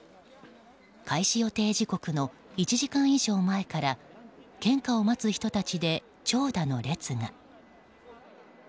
開始予定時刻の１時間以上前から献花を待つ人たちで長蛇の列が。